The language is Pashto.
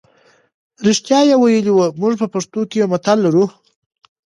رښتیا یې ویلي وو موږ په پښتو کې یو متل لرو.